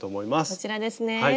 こちらですね。